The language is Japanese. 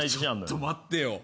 ちょっと待ってよ。